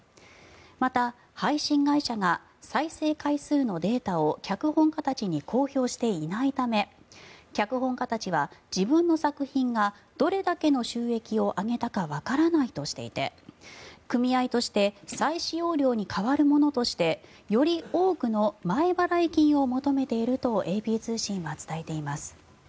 また、配信会社が再生回数のデータを脚本家たちに公表していないため脚本家たちは、自分の作品がどれだけの収益を上げたかわからないとしていて組合として再使用料に代わるものとしてより多くの前払金を求めているとＡＰ通信は伝えています。